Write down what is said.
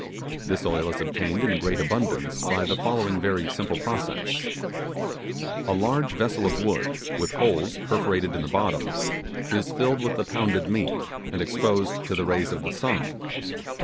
This oil is obtained in great abundance by the following very simple process: A large vessel of wood, with holes perforated in the bottom, is filled with the pounded meat, and exposed to the rays of the sun.